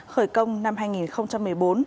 khởi công năm hai nghìn một mươi bốn